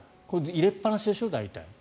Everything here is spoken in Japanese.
入れっぱなしでしょ、大体。